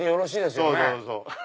そうそうそう。